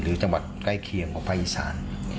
หรือจังหวัดใกล้เคียงกับพระอีสาน